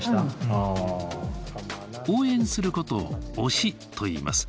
応援することを「推し」といいます。